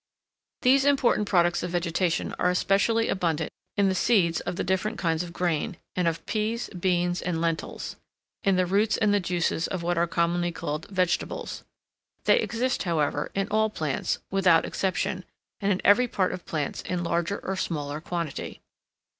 These important products of vegetation are especially abundant in the seeds of the different kinds of grain, and of peas, beans, and lentils; in the roots and the juices of what are commonly called vegetables. They exist, however, in all plants, without exception, and in every part of plants in larger or smaller quantity.